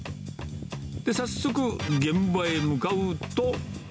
早速、現場へ向かうと。